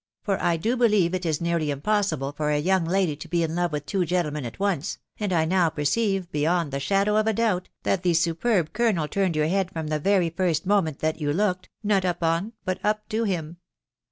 for I do believe it is nearly impossible for a young lady to be in love with two gentlemen at once, and I now perceive beyond the shadow of a doubt, that the superb colonel turned your head from the very first moment that you looked .... not up on, but up to him.